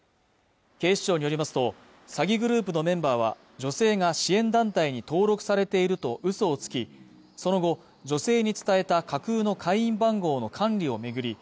警視庁によりますと詐欺グループのメンバーは女性が支援団体に登録されていると嘘をつきその後女性に伝えた架空の会員番号の管理を巡り